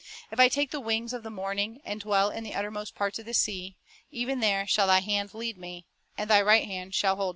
" If I take the wings of the morning, And dwell in the uttermost parts of the sea; Even there shall Thy hand lead me, And Thy right hand shall hold me."